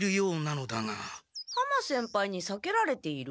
浜先輩にさけられている？